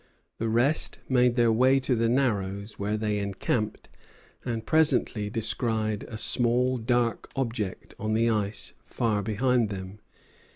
The rest made their way to the Narrows, where they encamped, and presently descried a small dark object on the ice far behind them.